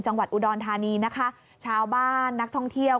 จังหวัดอุดรธานีนะคะชาวบ้านนักท่องเที่ยว